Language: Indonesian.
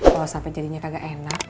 kalo sampe jadinya kagak enak